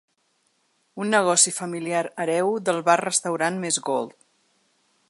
Un negoci familiar hereu del bar restaurant ‘Mes Gold’